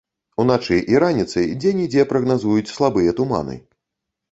Уначы і раніцай дзе-нідзе прагназуюць слабыя туманы.